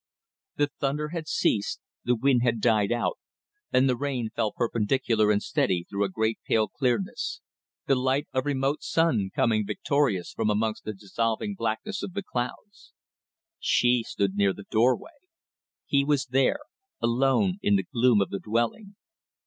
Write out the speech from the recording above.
The thunder had ceased, the wind had died out, and the rain fell perpendicular and steady through a great pale clearness the light of remote sun coming victorious from amongst the dissolving blackness of the clouds. She stood near the doorway. He was there alone in the gloom of the dwelling.